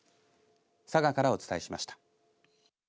佐賀からお伝えしました。